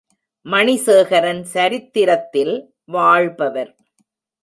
மணிசேகரன் சரித்திரத்தில் வாழ்பவர்.